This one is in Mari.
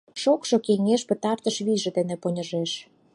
Шокшо кеҥеж пытартыш вийже дене поньыжеш.